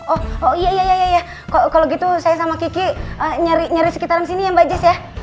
oh oh iya iya ya kalau gitu saya sama kiki nyari sekitaran sini ya mbak jis ya